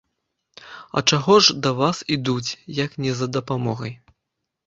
А чаго ж да вас ідуць, як не за дапамогай?